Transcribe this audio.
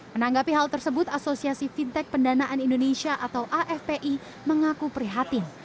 menanggapi hal tersebut asosiasi fintech pendanaan indonesia atau afpi mengaku prihatin